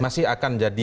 masih akan jadi